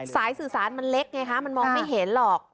สายสื่อสารมันเล็กไงคะมันมองไม่เห็นหรอก